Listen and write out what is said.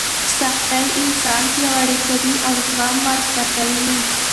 سختۍ انسان پیاوړی کوي او زغم ور زده کوي.